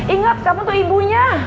ingat kamu tuh ibunya